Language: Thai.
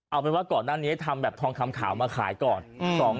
เอาเป็นว่าก่อนหน้านี้ทำแบบทองคำขาวมาขายก่อน